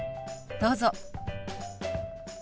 どうぞ。